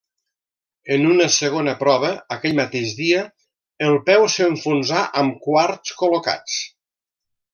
En una segona prova, aquell mateix dia, el peu s'enfonsà amb quarts col·locats.